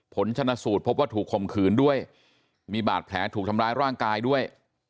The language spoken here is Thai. ผลชนะสูตรพบว่าถูกคมขืนด้วยมีบาดแผลถูกทำร้ายร่างกายด้วย